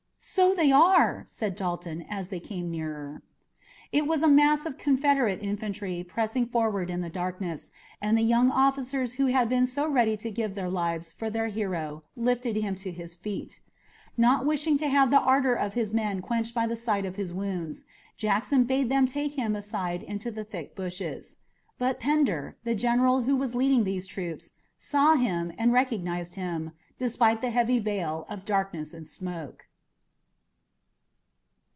"So they are!" said Dalton, as they came nearer. It was a heavy mass of Confederate infantry pressing forward in the darkness, and the young officers who had been so ready to give their lives for their hero lifted him to his feet. Not wishing to have the ardor of his men quenched by the sight of his wounds, Jackson bade them take him aside into the thick bushes. But Pender, the general who was leading these troops, saw him and recognized him, despite the heavy veil of darkness and smoke.